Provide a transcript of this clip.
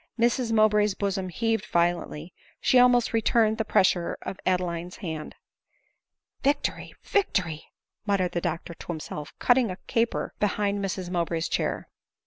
Mrs Mow bray's bosom heaved violently ; she almost returned the pressure of Adeline's hand. "Victory, victory !" muttered the doctor to himself, cutting a caper behind Mrs Mowbray's chair.